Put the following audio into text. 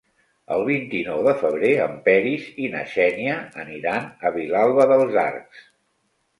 El vint-i-nou de febrer en Peris i na Xènia aniran a Vilalba dels Arcs.